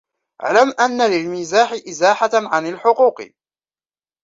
اعْلَمْ أَنَّ لِلْمِزَاحِ إزَاحَةً عَنْ الْحُقُوقِ